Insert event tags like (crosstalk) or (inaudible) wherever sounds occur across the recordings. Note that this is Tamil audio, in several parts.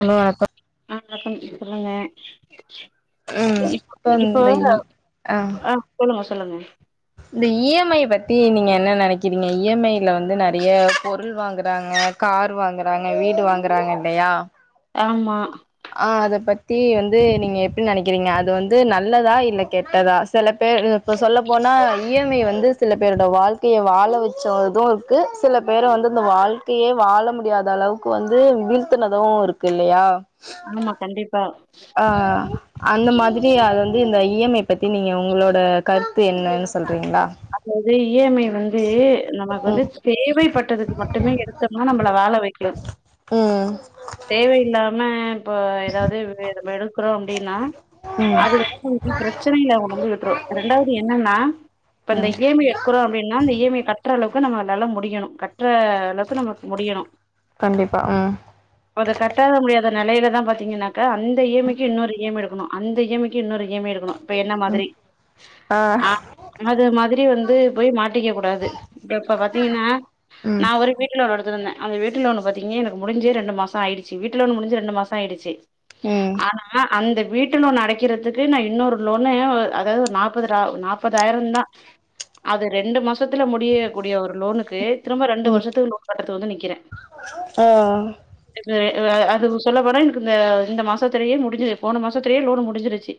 ஹலோ வணக்கம் ஆ வணக்கம் சொல்லுங்க ம் இப் இப்ப இந்த இப்போங்க இ ஆ ஆஹ் சொல்லுங்க சொல்லுங்க இந்த இ எம் ஐ பத்தி நீங்க என்ன நெனைக்கிறீங்க இ எம் ஐ ல வந்து நெறைய பொருள் வாங்குறாங்க கார் வாங்குறாங்க வீடு வாங்குறாங்க இல்லையா ஆமா அ அத பத்தி வந்து நீங்க எப்டி நெனைக்கிறீங்க அது வந்து நல்லதா இல்ல கெட்டதா சில பேர் இப்போ சொல்ல போனா இ எம் ஐ வந்து சில பேரோட வாழ்க்கையே வாழ வச்சது இருக்கு சில பேர வந்து அந்த வாழ்க்கையே வால முடியாத அளவுக்கு வந்து வீழ்த்தனது இருக்கு இல்லையா ஆமா கண்டிப்பா ஆஹ் அந்த மாதிரி அது வந்து இந்த இ எம் ஐ பத்தி நீங்க உங்ளோட கருத்து என்னன்னு சொல் அதாவது இ எம் ஐ வந் து நமக்கு வந்து ம் தேவைப்பட்டதுக் மட்டுமே எடுத்தம்னா நம்மள வால வைக்கு ம் தேவையில்லாம இப்ப ஏதாவது வேற மெடல் இருக்குறோ அப்டின்னா அது வந்து பிரச்சனையில உன்ன வந்து விட்ரு ரெண்டாவது என்னன்னா இப்ப இந்த ம் இ எம் ஐ எடுக்குறோ அப்டின்னா இந்த இ எம் ஐ க ட்ற அளவுக்கு நம்ம அதால்ல முடியணு க ட்ற (unintelligible) முடியணு கண்டிப்பா ம் அத கட்ட முடியாத நெலையில தா பாத்தீங்கன்னா க அந்த இ எம் ஐக்கு இன்னொரு இ எம் ஐ எடுக் குன்னோ அந்த இ எம் ஐ க்கு இன்னொரு இ எம் ஐ எடுக்கணு இப்ப என்ன மாதிரி ஆ ஆஹ் அது மாதிரி வந்து போய் மாட்டிக்க கூடாது இப்ப பாத்தீங்கன்னா ம் நா ஒரு வீட்டு லோன் எடு த்துன்ன அந்த வீட்டு லோன் பாத்தீங்க எனக்கு முடிஞ்சி ரெண்டு மாச ஆயிடுச்சி வீட்டு லோன் முடிஞ்சி ரெண்டு மாச ஆயிடுச்சி உம் அந்த வீட்டு லோன் அடைக்கிறதுக்கு நா இன்னொரு லோனு அதாவது ஒரு நாப்பது ராவ் நாப்பத் தாயிரந்தா அது ரெண்டு மாசத்துல முடியக்கூடிய ஒரு லோனுக்கு திரும்ப ரெண்டு ம் வருஷத்துக்கு லோன் கட்டறத்து வந்து நிக்கிறே ஆ அது சொல்ல போன எனக்கு இந்த இந்த மாசத்துலேயே முடிஞ்சிரு போன மாசத்துலேயே லோன் முடிஞ்சிருச்சி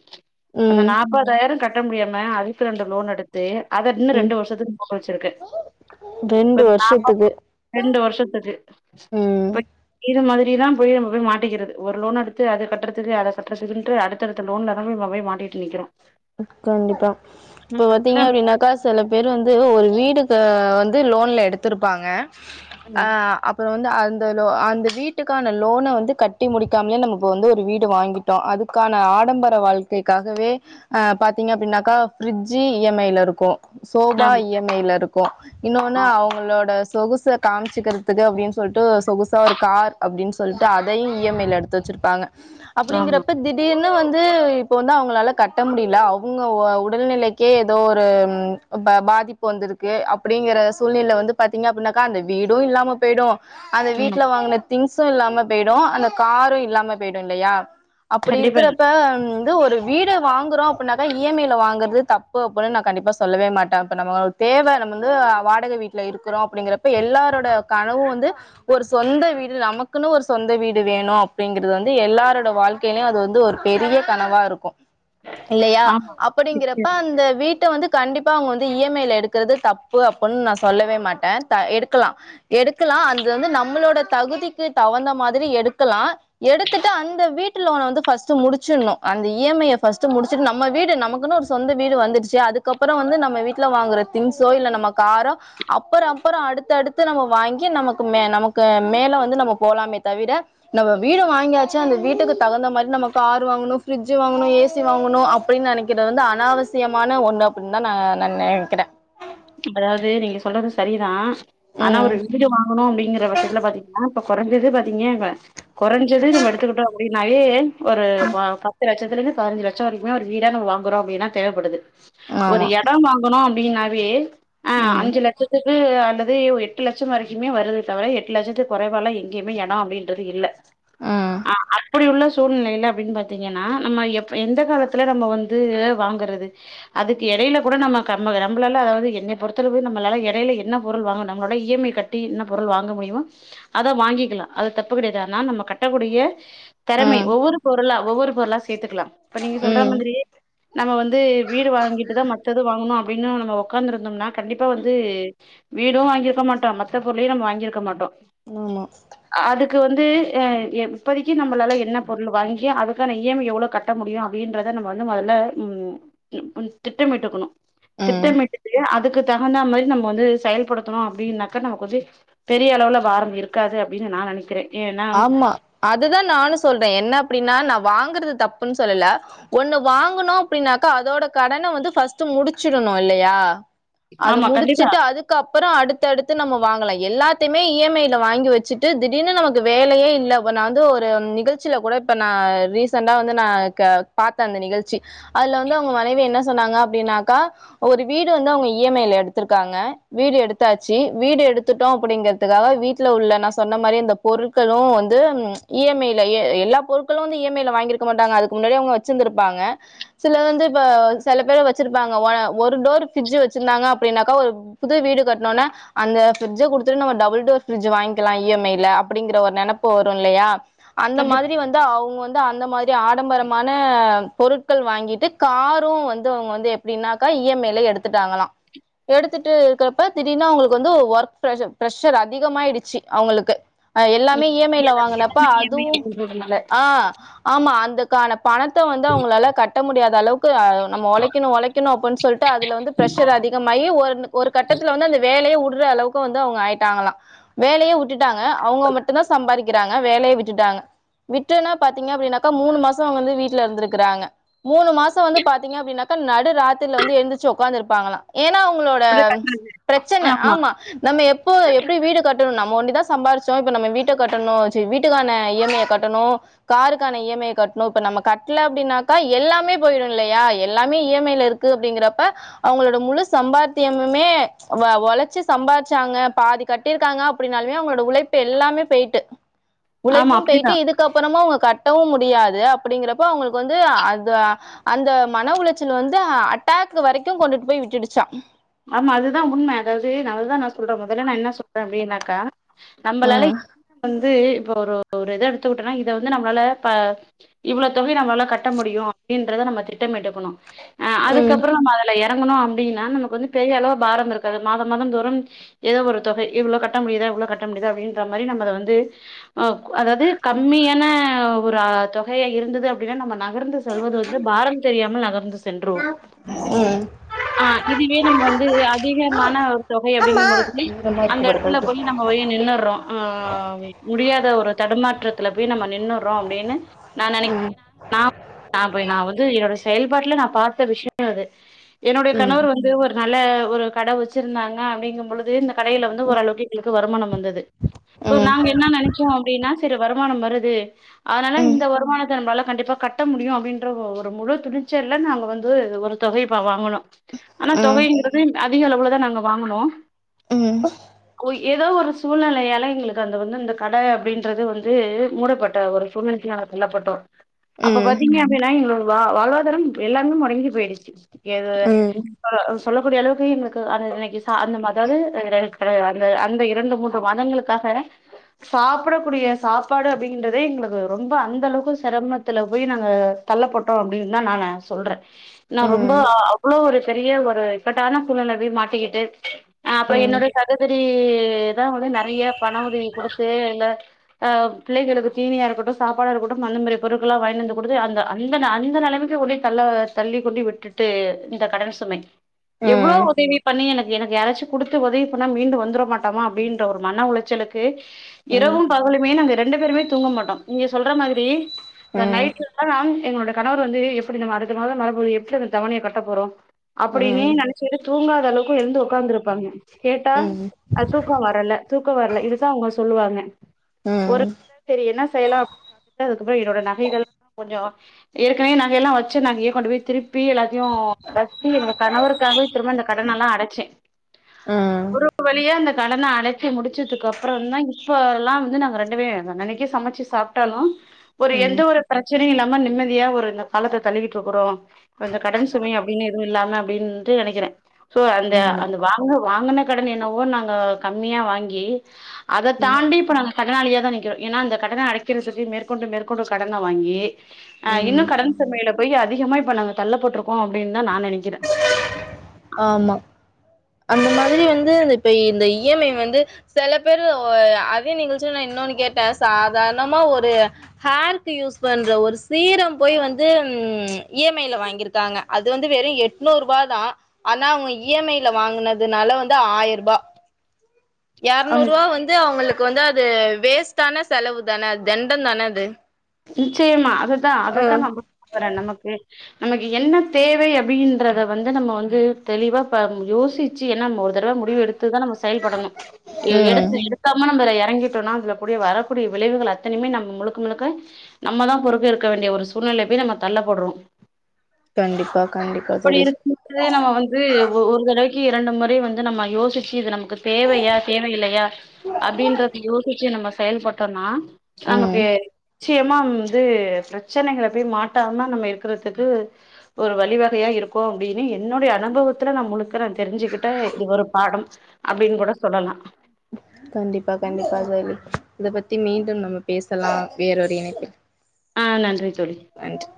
அந்த ம் நாப்பதாயிர க ட்டமுடியாம அ த்து ரெண்டு லோன் எடுத்து அத இன்னு ம் ரெண்டு வருஷத்துக்கு போட்டு வச்சிருக்கு ரெண்டு வருஷத்துக்கு ரெண்டு வருஷத்துக்கு ம் இது மாரி இப்டிதா போய் நம்மபோய் மாட்டிக்கிறது ஒரு லோன் எடுத்து அத கட்டுறதுக்கு அத கட்டுறதுக்குன்ட்டு அடுத்த அடுத்த லோன்ல நமக்நாமே மாட்டீட்டு நிக்கிறோ கண்டிப்பா இப்ப பாத்தீங்க அப்டின்னாக்கா சில பேர் வந்து ஒரு வீடுக்கா இப்ப வந்து லோன்ல எடுத்துருப்பாங்க ம் அஹ் அப்புற வ அந்த வீட்டுக்கான லோனை வந்து கட்டி முடிக்காமலே நம்ம இப்ப வந்து ஒரு வீடு வாங்கிட்டோம் அதுக்கான ஆடம்பர வாழ்க்கைக்காகவே பாத்தீங்க அப்படின்னாக்கா ஃப்ரிட்ஜு இஎம்ஐல இருக்கும் சோபா ஆமா இஎம்ஐல இருக்கும் கோ இன்னோன்னு ஆ அவங்களோட சொகுச காமிச்சுக்கிறதுக்கு அப்படின்னு சொல்லிட்டு சொகுசாக ஒரு கார் அப்படின்னு சொல்லிட்டு அதையும் இஎம்ஐயில எடுத்து வச்சுருப்பாங்க ஆமா அப்பிடிங்கறப்ப திடீர்னு வந்து இப்போ வந்து அவங்களால கட் கட்ட முடியல அவங்க உடல்நிலைக்கே ஏதோ ஒரு பாதிப்பு வந்திருக்கு அப்படிங்கற சூழ்நிலை வந்து பாத்தீங்க அப்படின்னாக்கா அந்த வீடும் இல்லாம போயிடும் அந்த ம் வீட்டுல வாங்கன திங்ஸ் தூக்கம் இல்லாம போயிடும் அந்த காரும் இல்லாம போயிடும் இல்லையா அப்படி கண்டிப்பா இருக்கிறப்ப ம் து ஒரு வீடு வாங்குறோம் அப்படின்னாக்கா இஎம்ஐல வாங்கறது தப்பு அப்படின்னு நான் கண்டிப்பா சொல்லவே மாட்டேன் இப்ப நம்மளுக்கு தேவை நம்ம வந்து வாடக வீட்டுல இருக்கிறோம் அப்படிங்கிறப்ப எல்லாரோட கனவும் வந்து ஒரு சொந்த வீடு நமக்குன்னு ஒரு சொந்த வீடு வேணும் அப்படிங்கறிறது வந்து எல்லாரோட வாழ்க்கையிலயும் அது வந்து ஒரு பெரிய கனவா இருக்கும் இல்லையா ஆமா அப்பிடிங்கறப்ப நிச்சயமா அந்த வீட்ட வந்து கண்டிப்பாஅவுங்க வந்து இஎம்ஐல எடுக்கிறது தப்பு அப்புனு நா சொல்லவே மாட்டேன் எடுக்கலாம் எடுக்கலாம் அது வந்து நம்மளோட தகுதிக்கு தவந்த மாதிரி எடுக்கலாம் எடுத்து அந்த வீட்டுலோன் வந்து பஸ்டு முடிச்சுரனும் அந்த இ எம் ஐ பஸ்ட் முடிச்சுட்டு நம்ம வீடு நமக்குன்னு ஒரு சொந்த வீடு வந்துடுச்சு அதுக்கப்புறம் வந்து நம்ம வீட்டுல வாங்குற திங்ஸோ இல்ல நம்ம காரோ அப்புறம் அப்புறம் அடுத்தடுத்து நம்ம வாங்கி நமக்கு மே நமக்கு மேலும் வந்து நம்ம போகலாமே தவிர நம்ம வீடு வாங்கியாச்சு அந்த வீட்டுக்கு தகுந்த மாதிரி நம்ம காரு வாங்கணும் ஃபிரிடட்ஜு வாங்கணும் ஏசி சி வாங்கணும் அப்படின்னு நினைக்கிறது வந்து அனாவசியமான ஒண்ணு அப்படின்னு தான் நான் நா நினைக்கிறேன் அதாவது நீங்க சொல்றது சரிதான் ஆனா ம் ஒரு வீடு வாங்கணும் அப்படிங்க இந்த வருஷத்துல பாத்திங்கனா ஆ இப்ப குறைஞ்சது பாத்தீங்க இப்ப குறைஞ்சது நம்ம எடுத்துக்கிட்டோம் அப்படின்னாவே ஒரு பத்து லட்சத்துல இருந்து பதிஞ்சு லட்சம் வரைக்குமே ஒரு வீடா நம்ம வாங்குறோம் அப்படின்னா தேவைப்படுது ஒரு ஆமா எடம் வாங்கணும் அப்படின்னா வே ஆஹ ம் அஞ்சு லட்சத்துக்கு அல்லது அது எட்டு லட்சம் வரைக்குமே வருது தவிர எட்டு லட்சத்துக்கு குறைவாலம் எங்கயுமே இடம் அப்படின்றது இல்ல ம் ஆ அப்படி உள்ள சூழ்நிலைல அப்படின்னு பாத்தீங்கன்னா நம்ம எ எந்த காலத்துல நம்ம வந்து வாங்கறது அதுக்கு இடையில கூட நம்ம நம்மளால்ல என்னைய பொருத்தாளவு நம்மளால இடையில என்ன பொருள் வாங்கும் நம்மளோட இஎம் ஐமை கட்டி என்ன பொருள் வாங்க முடியுமோ அதா வாங்கிக்கலாம் அது தப்பு கிடையாது ஆனா நம்ம கட்டக்கூடிய திறமை ம் ஒவ்வொரு பொருளா ஒவ்வொரு பொருளா சேர்த்துக்கலாம் இப்ப நீங்க சொல்ற ம் மாதிரி நம்ம வந்து வீடு வாங்கிட்டுதான் மத்தது வாங்கணும் அப் அப்படினா நம்ம உட்காந்து இருக் தம்னா கண்டிப்பா வந்து வீடும் வாங்கியிருக்க மாட்டோம் மத்த பொருளையும் நம்ம வாங்கியிருக்க மாட்டோம் ஆமா அதுக்கு வந்து இப்போதிக்கி நம்மளால என்ன பொருள் வாங்கி அதுக்கான இஎம்ஐ எவ்வளோ கட்ட முடியும் அப்படின்றத நம்ம வந்து முதல்ல திட்டமிட்டுக்கணும் ம் திட்டமிட்டு அதுக்கு தகுந்த மாரி நம்ம வந்து செயல்படுத்தணும் அப்படின்னாக்க நமக்கு வந்து பெரிய அளவுல பாரம் இருக்காது அப்டின்னு நான் நெனைக்கிறேன் ஆமா அதுதான் நானும் சொல்றேன் என்ன அப்படின்னா நம் வாங்கறது தப்புன்னு சொல்லல ஒண்ணு வாங்கணும் அப்படின்னாக்க அதோட கடன வந்துபஸ்டு முடிச்சிறணும் இல்லையா அத ஆமா கண்டிப்பா முடிச்சுட்டு அதுக்கப்பறம் அடுத்தடுத்து நம்ம வாங்கலாம் எல்லாத்தையுமே இ எம் ஐல வாங்கி வச்சுட்டு திடீர்னு நமக்கு வேலையே இல்ல நான் வந்து ஒரு நிகழ்ச்சியில கூட இப்ப நான் ரீசண்டா வந்து நான் பாத்தேன் அந்த நிகழ்ச்சி அதுல வந்து அவங்க மனைவி என்ன சொன்னாங்க அப்டினாக்க ஒரு வீடு வந்து அவங்க இஎம் எடுத்திருக்காங்க வீடு எடுத்தாச்சு வீடு எடுத்துட்டோம் அப்படிங்கிறதுகாக வீட்டல உள்ள நா சொன்ன மாரி பொருட்களும் வந்து இ எம் ஐ லயே எல்லா பொருட்களும் வந்து இ ம் ஐ ல வாங்கியிருக்க மாட்டாங்க அதுக்கு முன்னாடி அவங்க வச்சிருந்திருப்பாங்க சில வந்து இப்ப செல பேர் வச்சிருப்பாங்க ஒரு டோர் ஃபரிட்ஜ் வச்சிருந்தாங்க அப்படின்னாக்கா ஒரு புது வீடு கட்டணோன்ன அந்த ஃபிரி்ட்ஜ குடுத்துட்டு நம்ம டபுள்டோர் ஃபிரிட்ஜ் வாங்கிக்கலாம் இஎம்ஐல அப்படிங்கிற ஒரு நெனைப்பு வரும் இல்லையா அந்த கண்டிப்பா மாதிரி வந்து அவங்க வந்து அந்த மாதிரி ஆடம்பரமான பொருட்கள் வாங்கிட்டு காரும் வந்து அவங்க வந்து எப்படின்னாக்கா இஎம்ஐல எடுத்துட்டாங்களாம் எடுத்துட்டு இருக்கிறப்ப திடீர்னு அவங்களுக்கு வந்து ஒர்க் பிரஷர் பிரஷர் அதிகமாயிடுச்சு அவங்களுக்கு எல்லாமே ம் இ எம் ஐ ல எல்லாமே வாங்கினப்பா இ எம் ஐ அதுவும் அப்டின்றதுனால ஆஹ் ஆமா அந்த காணப் பணத்த வந்து அவங்களால கட் கட்ட முடியாத அளவுக் நம்ம ஒழைக்கணும் ஒழைக்கணும் அப்புன்னு சொல்லிட்டு அதுல வந்து பிரஷர் அதிகமாயி ஒரு கட்டத்துல வந்து அந்த வேலயே உடு ன்றளவுக்கு வந்து அவங்க ஆயிட்டாங்களாம் வேலய வுட்டுட்டு அவங்க மட்டும் தான் சம்பாரிக் றாங்க வேலய விட்டுட்டாங்க விட்டனபாத்தீங்க அப்டினாக்க மூணு மாசம் வீட்ல இருந்திருக்காங்க மூணு மாசம் பாத்தீங்கனா அப்டினாக்க நடு ராத்திரில எந்திச்சி ஒக்காந்து இருப்பாங்களா ஏன்னா அவங்களோட பிரச்சன ஆமா நம்ம எப்போ எப்டி வீடு கட்டணும் ஒன்டி தா சம்பாரிச்சு ணும் வீட்ட கட்டணும் வீட்டுக்கான இஎம்ஐய கட்டணும் காருக்கான இஎம்ஐ கட்ணும் இப்ப நம்ம கட்ல அப்படின்னாக்கா எல்லாமே போயிடும் இல்லையா எல்லாமே இஎம்ஐல இருக்கு அப்படிங்கறப்ப அவங்களோட முழு சம்பாத்தியமுமே ஒழச்சு சம்பாதிச்சாங்க பாதி கட்டிருக்காங்க அப்படின்னாலுமே அவங்களோட உழை ப்பு எல்லாமே பேயிட்டு ஆமா உழைப்பும் அப்டிதா பேயிட்டு இதுக்கு அப்புறமா உங்க கட்ட கட்டவும் முடியாது அப்படிங்கறப்ப அவங்களுக்கு வந்து அந்த அந்த மன உளச்சல் வந்து அட்டாக் வரைக்கும் கொண்டு போய் விட்டுடுச்சாம் ஆமா அதுதான் உண்ம அதாவது அததுதான் நான் சொல்றேன் முதல்ல நான் என்ன சொல்றேன் அப்படின்னாக்கா நம்மளால ம் என்ன வந்து இப்ப ஒரு ஒரு இத எடுத்துக்கிட்டோனா இத வந்து நம்மளால இவ்வளவு தொகை நம்மளால கட்ட முடியும் அப்படின்றத நம்ம திட்டமிட்டுகணும் ஆஹ் ம் அதுக்கப்புறம் அதுல எறங் கணும் அப்டின்னா நமக்கு வந்து பெரிய அளவு பாரம் இருக்காது மாத மாதம் தூரம் ஏதோ ஒரு தொகை இவ்வளவு கட்ட முடியுதா இவ்வளவு கட்ட முடியுதா அப்படின்ற மாதிரி நம்மள வந்து ஓ அதாவது கம்மியான ஆஹ் ஒரு தொகையா இருந்தது அப்படின்னா நம்ம நகர்ந்து சொல்வது வந்து பாரம் தெரியாமல் நகர்ந்து சென்றோம் ம் ஆஹ் இது ம் வந்து அதிகமான ஒரு தொகை அப்படிங்க பொழுது ஈரமா அந்த இருக்கு பாரு இடத்துல கைட்டு போய் நம்ம போய் நின்னுறோம் ஆஹ் முடியாத ஒரு தடுமாற்றத்துல போய் நம்ம நின்னுறோம் அப்படின்னு நான் நினைக்கிறேன் ம் ஏன்னா நான் ஆ போய் நான் வந்து என்னோட செயல்பாட்டுல நான் பாத்த விஷயம்தான் அது என்னுடைய கணவர் வந்து நல்ல ஒரு கட வச்சிருந்தாங்க அப்டிங்குபொழுது இந்த கடையில வந்து ஓரளவுக்கு எங்களுக்கு வருமானம் வந்தது சோ ம் நாங்க என்ன நெனைச்சோம் அப்படின்னா செரி வருமானம் வருது அதனால ம் ம் இந்த வருமானத்த நம்லால கண்டிப்பா கட்ட முடியும் அப்படின்ற ஒரு முழு துணிச்சல்ல நாங்க வந்து ஒரு தொகை இப்ப வாங்கனும் ம் தொவையுங்கிறது அதிக அளவுலதான் நாங்க வாங்குனோம் உம் ஏதோ ஒரு சூழ்நிலையால எங்களுக்கு அந்த வந்து இந்த கடை அப்படின்றது வந்து மூடப்பட்ட ஒரு சூழ்நிலைக்குள்ள நாங்க தள்ளப்பட்டோம் அப்ப ம் பாத்தீங்க அப்படினா வா வாழ்வாதாரம் எல்லாமே முடங்கி போயிடுச்சு எது ம் சொல்லக்கூடிய அளவுக்கு எங்களுக்கு அந்த இன்னைக்கு அந்த அதாவது அந்த அந்த இரண்டு மூன்று மதங்களுக்காக சாப்பிடக்கூடிய சாப்பாடு அப்டின்றதே எங்களுக்கு ரொம்ப அந்தளவுக்கு சிரமத்துல போய் நாங்க தள்ளப்பட்டோம் அப்படின்னுதான் நான் சொல்றேன் நான் ரொம்ப ம் அவ்வளோ ஒரு பெரிய ஒரு இக்கட்டான சூழ்நிலைல போய் மாட்டிக்கிட்டு ஆ அப்பறோ ம் என்னோட சகோதரி தான் வந்து நிறைய பண உதவி கொடுத்து இல்ல அஹ் பிள்ளைகளுக்கு தீனியா இருக்கட்டும் சாப்பாடா இருக்கட்டும் அந்த மாதிரி பொருட்களாம் வாங்கிட்டு வந்து கொடுத்து அந்த அந்த அந்த நிலைமைக்கு கொண்டி தள்ளி கொண்டு விட்டுட்டு இந்த கடன் சுமை ம் ம் எவ்வளவு உதவி பண்ணி எனக் எனக்கு யாராச்சும் கொடுத்து உதவி பண்ணா மீண்டு வந்தர மாட்டாமா அப்படின்ற ஒரு மன உளைச்சலுக்கு ம் இரவும் பகலுமே ரெண்டு பேருமே தூங்க மாட்டோம் நீங்க சொல்ற மாதிரி இந்த ம் நைட்டு் எல்லாம் நா எங்களோட கணவர் வந்து எப்படி நம் அடுத்த மாதம் வரபோது எப்படி அந்த தவணைய கட்டப் போறோம் அப்படின்னு ம் நெனைச்ச தூங்காத அளவுக்கு எழுந்து உட்காந்துருப்பாங்க கேட்டா ம் ம் அது தூக்கம் வரல தூக்கம் வரல இதுதான் அவங்க சொல்லுவாங்க ஒரு சரி என்ன செய்யலாம் அதுக்கப்புறம் என்னோட நகைகள் கொஞ்சம் ஏற்கனவே நகையெல்லாம் வச்சு நகைய கொண்டு போய் திருப் ப்பி எல்லாத்தையுன் சீ கணவருக்காவே திரும்ப அந்த கடன எல்லாம் அடச்சேன் ஒரு வழி அந்த கடன அடைச்சு முடிச்சதுக்கு அப்புறம் தான் இப்ப எல்லாம் வந்து நாங்க ரெண்டுமே அன்னன்னைக்கே சமைச்சு சாப்டாலும் ஒரு எந்த ஒரு பிரச் சரி நம்ப நிம்மதியா ஒரு இந்த காலத்த தள்ளிகிட்டு இருக்கிறோம் இந்த கடன் சுமை அப்டின்னு இல்லாம அப்டின்னுட்டு நினைக்கிறேன் சோ அந்த ம் ம் அந்த வாங்க வாங்கின கடன் என்னவோ நாங்க கம்மியா வாங்கி அத தாண்டி இப்ப நாங்க கடனாளியா தான் நிக் ஏன்னா அந்த கடன அடைக்கிறதுக்கு மேற்கொண்டு மேற்கொண்டு கடன வாங்கி ஆஹ் ம் இன்னும் கடன் சுமையில போய் அதி நிஜமா இப்ப நாங்க தள்ளப்பட்டிருக்கோம் அப்டினு நான் நினக்கிறேன் ஆமா அந்த மாதிரி வந்து இப்ப இந்த இஎம்ஐ வந்து சில பேரு ஓ அதே நிகழ்ச்சிய நான் இன்னொன்னு கேட்டேன் சாதாரணமா ஒரு ஹேர்க்கு யூஸ் பண்ற ஒரு சீரம் போய் வந்து உ இஎம்ஐல வாங்கிருக்காங்க அது வந்து வெறும் எட்நூறு ரூபா தான் ஆனா அவங்க இஎம்ஐ வாங்கினதுனால வந்து ஆயிரூபா ஆமா இரநூறு ரூவா வந்து அவங்களுக் க்கு வந்து அது வேஸ்டான செலவு தான அது தெண்டம் தான அது செர்ம்மா அதுதான் அதத்தான் ம் நமக்கு றேன் நமக்கு நமக்கு என்ன தேவை அப்டின்றத வந்து நம்ம வந்து தெளிவா யோசி நோம்போதும் தெளிவா முடிவு எடுத்துதான் நம்ம செயல்படணும் எடுத்து ம் எடுக்காம நம்மய வாங்கிட்டோம்னா அதில கூடிய வரக்கூடிய விளைவுகள் அத்தனையுமே நம்ம முழுக்க முழுக்க நம்மதான் பொறுக்க இருக்க வேண்டிய வரும் சூழ்நிலை போய் நம்ம தள்ளப்படுறோம் கண்டிப்பா கண்டிப்பா அப்படி தோழி இருக்கும்பபோதே நம்ம வந்து ஒரு தடவைக்கு இரண்டு முறை வந்து நம்ம யோசிச்சு இது நம தேவையா தேவையில்லையா அப்டின்றத யோசிச்சு நம்ம செயல்பட்டோனா ம் அமகே நிச்சயமா வந்து பிரச்சனைகள போய் மாட்டாமாம நம்ம இருக்கறிறதுக்கு ஒரு வழிவகையா இருக்கோம் அப்டின்னு என்னுடைய அனுபவத்துல நம் முழு நான் தெரிஞ்சுக்கிட்ட இது ஒரு பாடம் அப்டின்னு கூட சொல்லலாம் கண்டிப்பா கண்டிப்பா தோழி இத பத்தி மீண்டும் நம்ம பேசலாம் வேற ஒரு இணைப்பில் ஆஹ் நன்றி தோழி நன்றி